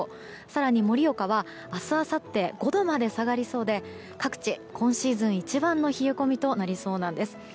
更に盛岡は、明日あさって５度まで下がりそうで各地、今シーズン一番の冷え込みとなりそうなんです。